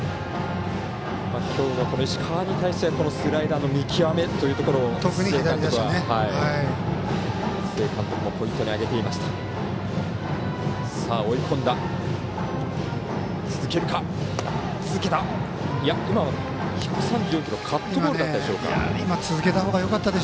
今日は石川に対してはスライダーの見極めというところ須江監督もポイントに挙げていました。